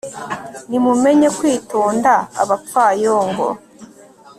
nimumenye kwitonda abapfayongo